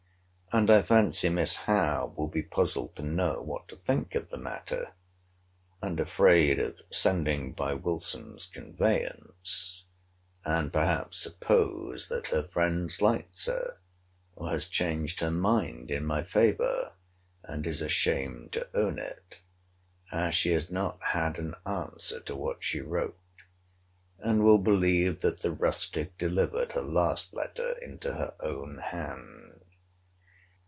And I fancy Miss Howe will be puzzled to know what to think of the matter, and afraid of sending by Wilson's conveyance; and perhaps suppose that her friend slights her; or has changed her mind in my favour, and is ashamed to own it; as she has not had an answer to what she wrote; and will believe that the rustic delivered her last letter into her own hand.